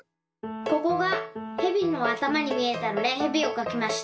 ここがヘビのあたまにみえたのでヘビをかきました。